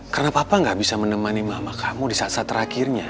karena papa gak bisa menemani mama kamu di saat saat terakhirnya